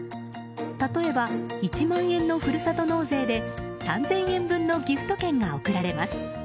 例えば、１万円のふるさと納税で３０００円分のギフト券が贈られます。